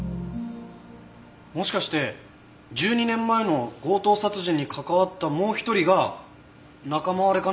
もしかして１２年前の強盗殺人に関わったもう１人が仲間割れか